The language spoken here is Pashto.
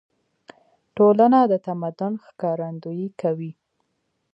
ټولنه د تمدن ښکارندويي کوي.